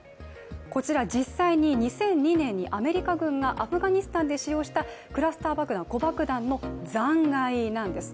こちら、実際に２００２年にアメリカがアフガニスタンで使用したクラスター爆弾、子爆弾の残骸なんです。